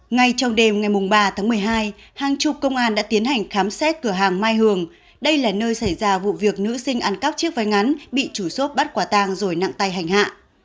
ngay trong đêm ngày ba tháng một mươi hai hàng chục công an đã tiến hành khám xét cửa hàng mai hường đây là nơi xảy ra vụ việc nữ sinh ăn cắp chiếc váy ngắn bị chủ số bắt quả tàng rồi nặng tay hành hạ